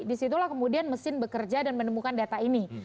disitulah kemudian mesin bekerja dan menemukan data ini